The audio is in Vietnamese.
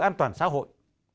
an toàn xã hội